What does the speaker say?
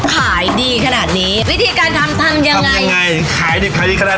ขายดีขนาดนี้วิธีการทำทำยังไงทำยังไงขายดีขนาดนี้อ่า